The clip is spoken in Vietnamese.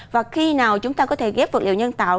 và khi nào chúng ta có thể ghép vật liệu nhân tạo